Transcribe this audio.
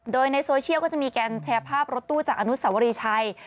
โดยในโซเชียลก็จะมีการแชร์ภาพรถตู้จากอนุสวรีชัย